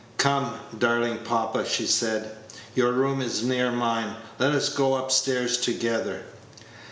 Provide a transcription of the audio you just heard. "Come, darling papa," she said, "your room is near mine; let us go up stairs together."